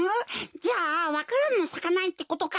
じゃあわか蘭もさかないってことか？